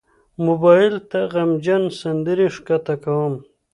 موبایل ته غمجن سندرې ښکته کوم.